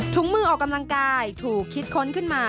มือออกกำลังกายถูกคิดค้นขึ้นมา